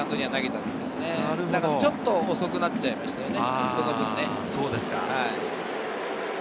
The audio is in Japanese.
ただちょっと遅くなっちゃいましたね。